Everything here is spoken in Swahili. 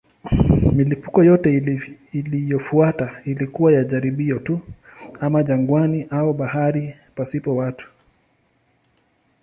Milipuko yote iliyofuata ilikuwa ya jaribio tu, ama jangwani au baharini pasipo watu.